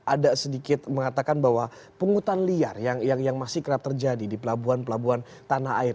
ada sedikit mengatakan bahwa penghutan liar yang masih kerap terjadi di pelabuhan pelabuhan tanah air